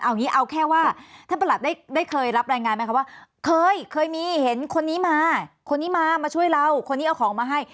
เอางี้เอาแค่ว่าท่านประหลัดได้เคยรับรายงานไหมคะว่าเคยเคยมีเห็นคนนี้มาคนนี้มามาช่วยเราคนนี้เอาของมาให้